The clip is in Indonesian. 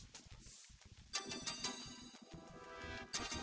kita harus galak